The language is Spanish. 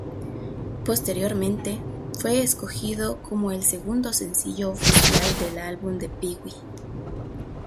Posteriormente fue escogido como el segundo sencillo oficial del álbum de Pee Wee.